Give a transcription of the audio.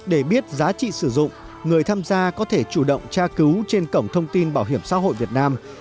để biết giá trị sử dụng người tham gia có thể chủ động tra cứu trên cổng thông tin bảo hiểm xã hội việt nam